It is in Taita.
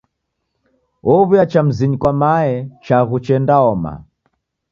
Ow'uya cha mzinyi kwa mae chaghu chendaoma.